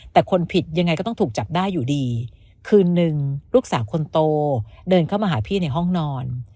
แต่คนผิดยังไงก็ต้องถูกจับได้อยู่ดีคืนนึงลูกสาวคนโตเดินเข้ามาหาพี่ในห้องนอน